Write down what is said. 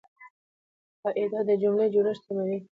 قاعده د جملې جوړښت سموي.